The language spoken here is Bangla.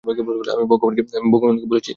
আমি ভগবান কে বলেছি মা।